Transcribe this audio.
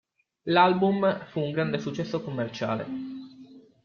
L'album fu un grande successo commerciale.